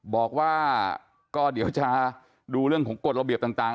บอกว่าก็เดี๋ยวจะดูเรื่องของกฎระเบียบต่าง